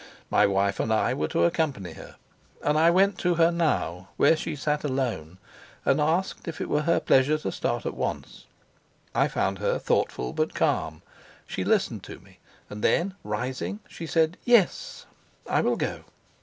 My wife and I were to accompany her; and I went to her now, where she sat alone, and asked if it were her pleasure to start at once. I found her thoughtful but calm. She listened to me; then, rising, she said, "Yes, I will go."